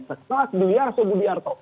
sekelas diliar sobudiarto